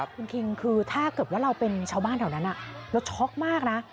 คุณคิงคือถ้าเกิดว่าเราเป็นชาวบ้านแถวนั้นเราช็อกมากนะ